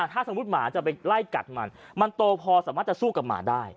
ถ้าสมมุติหมาจะไปไล่กัดมันมันโตพอสามารถจะสู้กับหมาได้